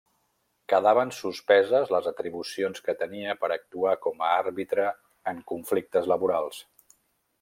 Quedaven suspeses les atribucions que tenia per actuar com a àrbitre en conflictes laborals.